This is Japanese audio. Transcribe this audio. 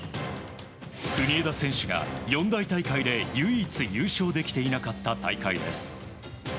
国枝選手が四大大会で唯一優勝できていなかった大会です。